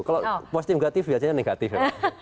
kalau positif negatif biasanya negatif ya